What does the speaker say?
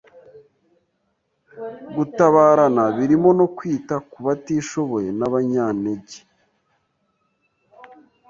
Gutabarana birimo no kwita ku batishoboye n’abanyantege